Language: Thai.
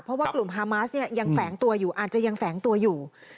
เพราะว่ากลุ่มฮามาสเนี่ยยังแฝงตัวอยู่อาจจะยังแฝงตัวอยู่